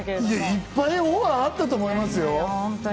いっぱいオファーあったと思いますよ。